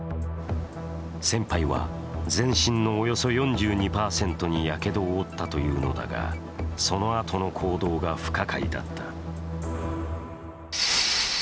先輩は全身のおよそ４２％にやけどを負ったというのだが、そのあとの行動が不可解だった。